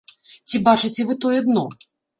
Ці бачыце вы тое дно?